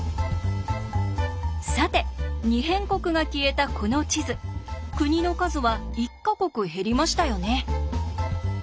さて「二辺国」が消えたこの地図国の数は１か国減りましたよね。